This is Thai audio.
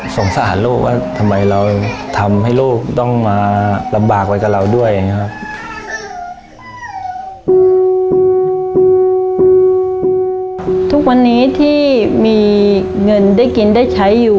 สงสัยลูกว่าทำไมเราทำให้ลูกต้องมาลำบากไว้กับเราด้วย